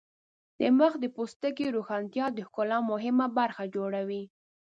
د مخ د پوستکي روښانتیا د ښکلا مهمه برخه جوړوي.